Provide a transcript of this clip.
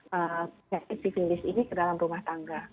penyakit sivilis ini ke dalam rumah tangga